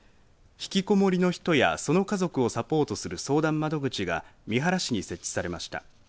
ひきこもりの人やその家族をサポートする相談窓口が三原市に設置されました。